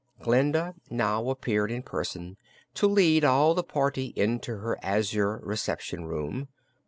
Glinda now appeared in person to lead all the party into her Azure Reception Room.